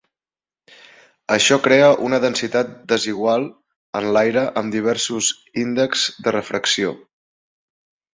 Això crea una densitat desigual en l’aire amb diversos índexs de refracció.